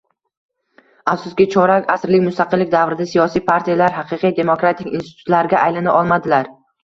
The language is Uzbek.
Afsuski, chorak asrlik mustaqillik davrida siyosiy partiyalar haqiqiy demokratik institutlarga aylana olmadilar